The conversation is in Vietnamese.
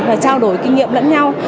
và trao đổi kinh nghiệm lẫn nhau